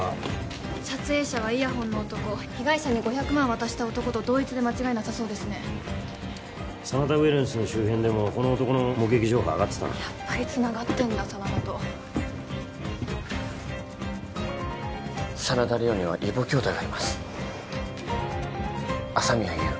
撮影者はイヤホンの男被害者に５００万渡した男と同一で間違いなさそうですね真田ウェルネスの周辺でもこの男の目撃情報あがってたなやっぱりつながってんだ真田と真田梨央には異母きょうだいがいます朝宮優